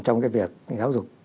trong cái việc giáo dục